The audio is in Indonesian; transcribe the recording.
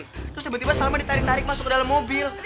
terus tiba tiba salman ditarik tarik masuk ke dalam mobil